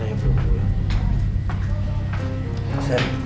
dew mau asap